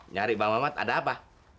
nyari bang mamat ada apa